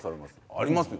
ありますよ